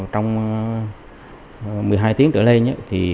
trong một mươi hai tiếng trở lên